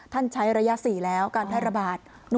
ใช้ระยะ๔แล้วการแพร่ระบาด